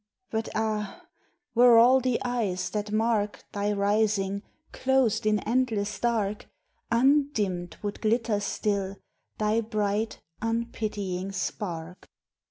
But ah! were all the eyes that mark Thy rising, closed in endless dark, Undimmed would glitter still Thy bright unpitying spark!